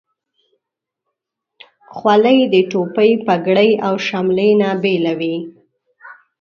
خولۍ د ټوپۍ، پګړۍ، او شملې نه بیله وي.